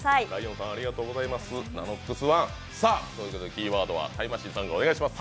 キーワードはタイムマシーン３号お願いします。